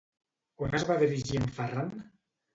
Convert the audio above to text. On es va dirigir en Ferran?